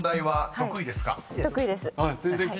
得意です。